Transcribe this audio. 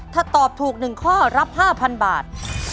ถ้าตอบถูก๑ข้อรับ๕๐๐๐บาท